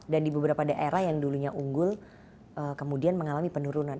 dan di beberapa daerah yang dulunya unggul kemudian mengalami penurunan